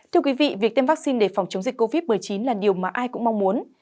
thưa quý vị việc tiêm vaccine để phòng chống dịch covid một mươi chín là điều mà ai cũng mong muốn